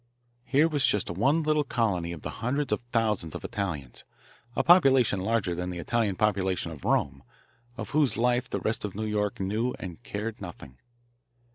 Here was just one little colony of the hundreds of thousands of Italians a population larger than the Italian population of Rome of whose life the rest of New York knew and cared nothing.